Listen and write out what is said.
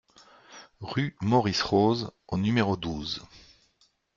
Rue Maurice Rose au numéro douze